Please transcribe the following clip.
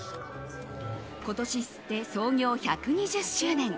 今年で創業１２０周年。